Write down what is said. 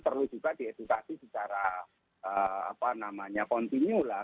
perlu juga diedukasi secara apa namanya kontinu lah